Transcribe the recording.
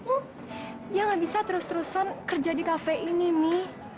oh iya gak bisa terus terusan kerja di kafe ini mi